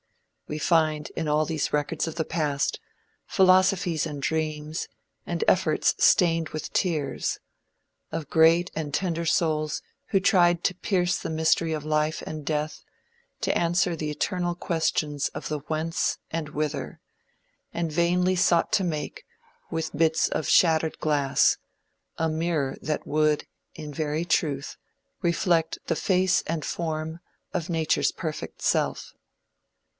We find, in all these records of the past, philosophies and dreams, and efforts stained with tears, of great and tender souls who tried to pierce the mystery of life and death, to answer the eternal questions of the Whence and Whither, and vainly sought to make, with bits of shattered glass, a mirror that would, in very truth, reflect the face and form of Nature's perfect self.